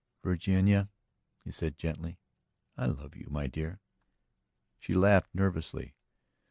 "Virginia," he said gently, "I love you, my dear." She laughed nervously.